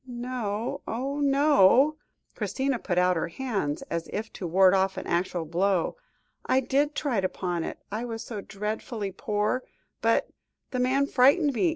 "No, oh! no," Christina put out her hands as if to ward off an actual blow. "I did try to pawn it. I was so dreadfully poor, but the man frightened me.